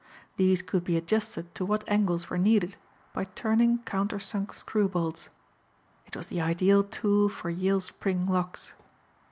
These could be adjusted to what angles were needed by turning countersunk screw bolts. It was the ideal tool for yale spring locks.